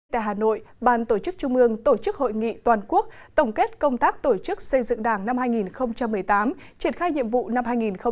tại hà nội ban tổ chức trung ương tổ chức hội nghị toàn quốc tổng kết công tác tổ chức xây dựng đảng năm hai nghìn một mươi tám triển khai nhiệm vụ năm hai nghìn một mươi chín